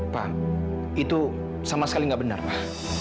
pak itu sama sekali nggak benar pak